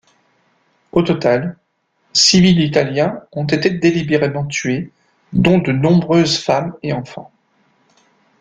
Au total, civils italiens ont été délibérément tués, dont de nombreuses femmes et enfants.